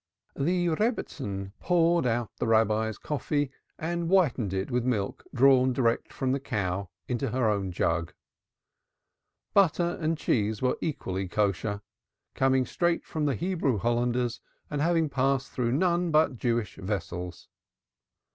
The Rebbitzin poured out the Rabbi's coffee and whitened it with milk drawn direct from the cow into her own jug. The butter and cheese were equally kosher, coming straight from Hebrew Hollanders and having passed through none but Jewish vessels.